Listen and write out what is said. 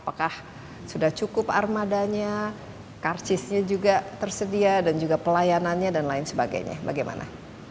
apakah sudah cukup armadanya karcisnya juga tersedia dan juga pelayanannya dan lain sebagainya bagaimana